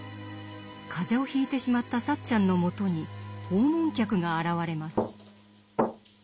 風邪をひいてしまったサッチャンのもとに訪問客が現れます。